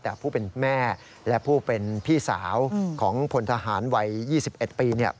แต่ผู้เป็นแม่และผู้เป็นพี่สาวของพลทหารวัย๒๑ปี